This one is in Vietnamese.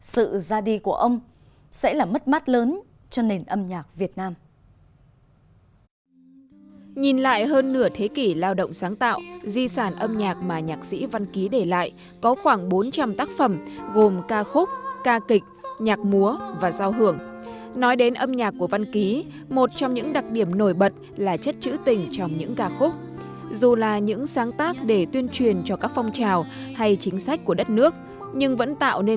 sự ra đi của ông sẽ là mất mắt lớn cho nền âm nhạc việt nam